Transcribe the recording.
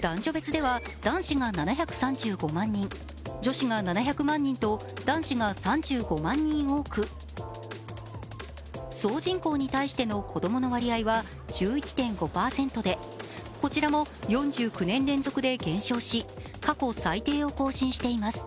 男女別では男子が７３５万人女子が７００万人と、男子が３５万人多く、総人口に対しての子供の割合は１１．５％で、こちらも４９年連続で減少し過去最低を更新しています。